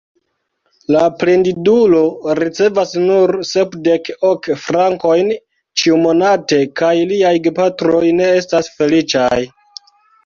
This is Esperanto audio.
La plendidulo ricevas nur sepdek ok frankojn ĉiumonate, kaj liaj gepatroj ne estas feliĉaj.